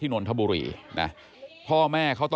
ไอ้แม่ได้เอาแม่ได้เอาแม่